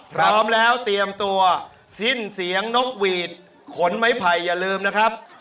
พร้อมแล้วเตรียมตัวสิ้นเสียงนกหวีดขนไม้ไผ่อย่าลืมนะครับ